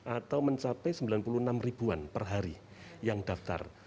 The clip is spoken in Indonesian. atau mencapai sembilan puluh enam ribuan per hari yang daftar